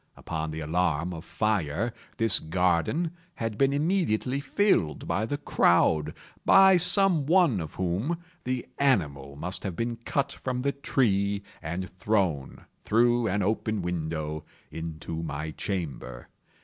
Upon the alarm of fire, this garden had been immediately filled by the crowd—by some one of whom the animal must have been cut from the tree and thrown, through an open window, into my chamber.